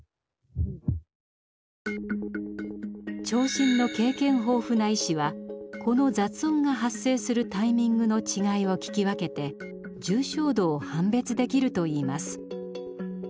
聴診の経験豊富な医師はこの雑音が発生するタイミングの違いを聞き分けて重症度を判別できるといいます。